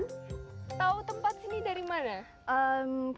tahu tempat sini dari mana